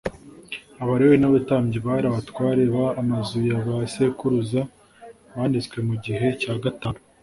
Abalewi n abatambyi bari abatware b amazu ya ba sekuruza banditswe mu gihe cya gatanu